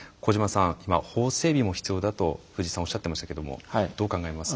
さん今法整備も必要だと藤井さんおっしゃってましたけどもどう考えますか？